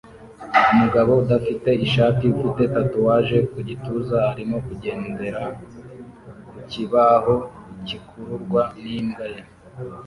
Umugabo udafite ishati ufite tatuwaje ku gituza arimo kugendera ku kibaho cyikururwa n'imbwa ye